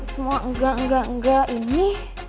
semua enggak enggak enggak ini